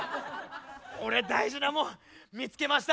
俺大事なもん見つけました。